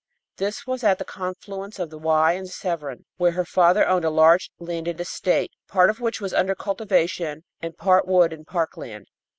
This was at the confluence of the Wye and the Severn, where her father owned a large landed estate, part of which was under cultivation and part wood and park land.